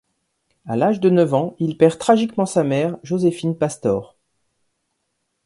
À l'âge de neuf ans il perd tragiquement sa mère, Josephine Pastore.